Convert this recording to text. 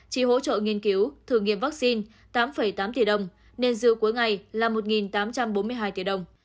chỉ hỗ trợ nghiên cứu thử nghiệm vaccine tám tám tỷ đồng nên dư cuối ngày là một tám trăm bốn mươi hai tỷ đồng